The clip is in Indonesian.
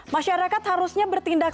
masyarakat harusnya bertindak